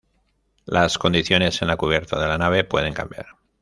Las condiciones en la cubierta de la nave pueden cambiar.